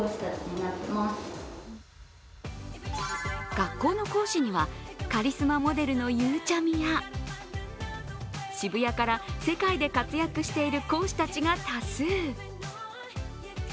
学校の講師には、カリスマモデルのゆうちゃみや、渋谷から世界で活躍している講師たちが多数。